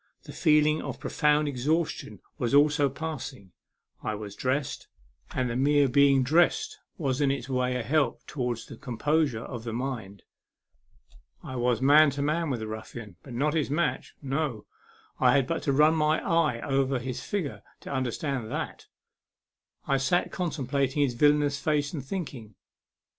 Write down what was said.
The feeling of profound exhaustion was also passing. I was dressed, and the mere being 8o A MEMORABLE SWIM. dressed was in its way a help towards the composure of the mind. I was man to man with the ruffian, but not his match no, I had but to run my eye over his figure to understand that. I sat contemplating his villainous face and thinking.